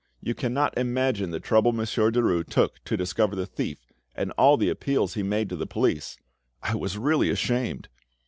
You cannot imagine the trouble Monsieur Derues took to discover the thief, and all the appeals he made to the police—I was really ashamed!"